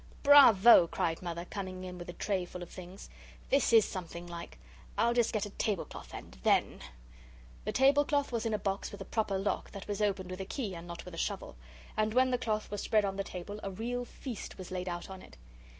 "Bravo!" cried Mother, coming in with a tray full of things. "This is something like! I'll just get a tablecloth and then " The tablecloth was in a box with a proper lock that was opened with a key and not with a shovel, and when the cloth was spread on the table, a real feast was laid out on it.